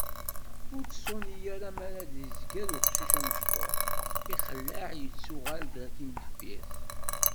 Ur tṣuni ara mi ara d-izger uqcic amecṭuḥ, ixelleɛ yettuɣal-d d timdeffirt.